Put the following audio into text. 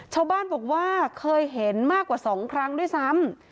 ชาวบ้านบอกว่าเคยเห็นมากกว่า๒ครั้งด้วยซ้ำ